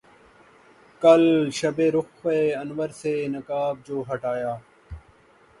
کل شب رخ انور سے نقاب جو ہٹایا